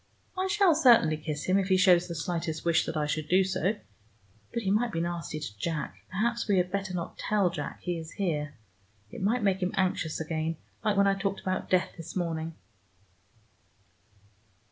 I shall certainly kiss him, if he shows the slightest wish that I should do so. But he might be nasty to Jack. Perhaps we had better not tell Jack he is here. It might make him anxious again, like when I talked about death this morning.